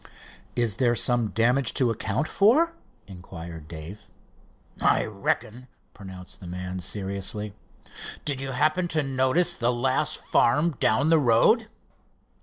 "Is there some damage to account for?" inquired Dave. "I reckon," pronounced the man seriously. "Did you happen to notice the last farm down the road?"